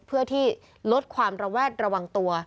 เพื่อที่ลดความระแวดระวังตัว